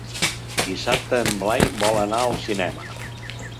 Dissabte en Blai vol anar al cinema.